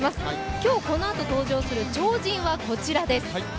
今日このあと登場する超人はこちらです。